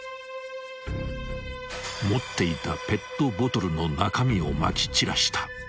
［持っていたペットボトルの中身をまき散らした］